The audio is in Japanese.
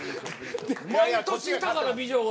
毎年いたから美女が。